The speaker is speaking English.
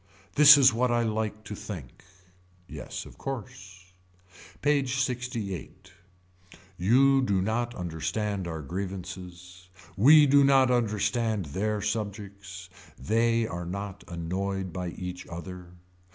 This is what I like to think. Yes of course. PAGE LXVIII. You do not understand our grievances. We do not understand their subjects. They are not annoyed by each other.